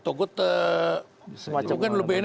togut bukan lebih ini